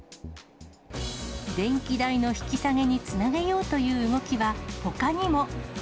電気代の引き下げにつなげようという動きはほかにも。